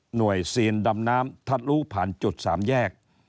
หน่วยเซียนดำน้ำทะลุผ่านจุดสามแยก